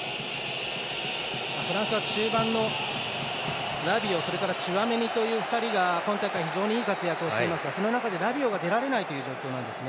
フランスは中盤のラビオチュアメニという２人が今大会、非常にいい活躍していますが、その中でラビオが出られないんですね。